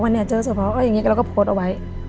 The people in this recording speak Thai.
ว่าเจอเฉพาะแล้วก็โพสต์เอาไว้